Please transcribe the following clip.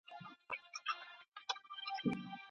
سفیرانو به ځانګړي استازي لیږلي وي.